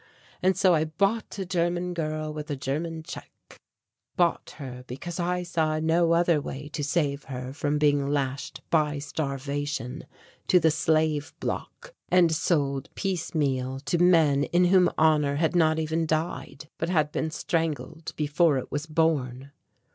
And so I bought a German girl with a German check bought her because I saw no other way to save her from being lashed by starvation to the slave block and sold piecemeal to men in whom honour had not even died, but had been strangled before it was born.